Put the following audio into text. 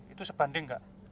itu sebanding gak